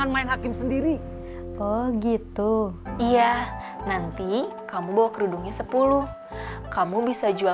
malah marah marah aja